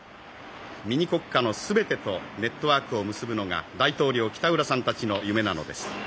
ミニ国家の全てとネットワークを結ぶのが大統領北浦さんたちの夢なのです」。